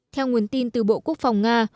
theo nguồn tin từ bộ quốc phòng nga